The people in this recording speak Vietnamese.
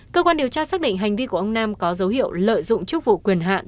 cơ quan điều tra xác định hành vi của ông nam có dấu hiệu lợi dụng chức vụ quyền hạn